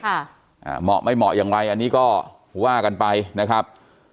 อ่าเหมาะไม่เหมาะอย่างไรอันนี้ก็ว่ากันไปนะครับ